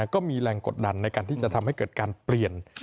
ก็มีแรงกดดันในการที่จะทำให้เกิดการเปลี่ยน